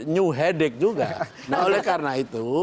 new headach juga nah oleh karena itu